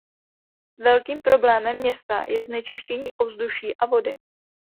Velkým problémem města je znečištění ovzduší a vody.